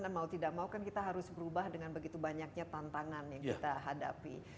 mau tidak mau kan kita harus berubah dengan begitu banyaknya tantangan yang kita hadapi